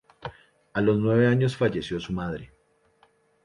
A los nueve años falleció su madre.